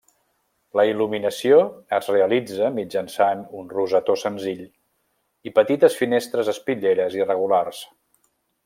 La il·luminació es realitza mitjançant un rosetó senzill i petites finestres espitlleres irregulars.